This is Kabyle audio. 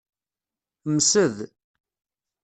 Msed.